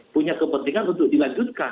punya kepentingan untuk dilanjutkan